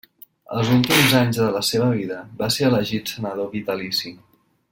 Els últims anys de la seva vida, va ser elegit senador vitalici.